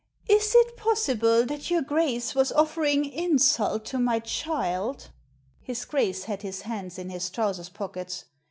" Is it possible that your Grace was offering insult to my child?" His Grace had his hands in his trousers pockets.